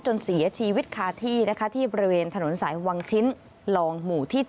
จนเสียชีวิตคาที่นะคะที่บริเวณถนนสายวังชิ้นลองหมู่ที่๗